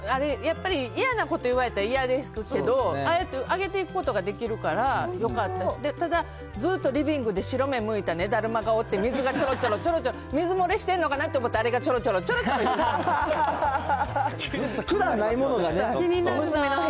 でも本当、風水やって、あれやっぱり、嫌なこと言われたら嫌ですけど、ああやって、上げていくことできるからよかったし、ただ、ずっとリビングで白目むいただるまがおって、水がちょろちょろちょろちょろ、水漏れしてるのかなと思ったら、あれがちょろちょろ管がないものがね。